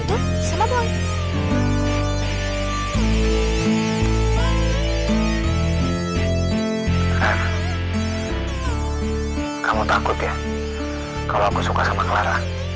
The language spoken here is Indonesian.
kamu takut ya kalau aku suka sama clara